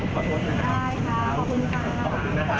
ขอบคุณครับ